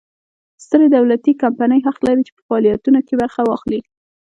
سترې دولتي کمپنۍ حق لري په فعالیتونو کې برخه واخلي.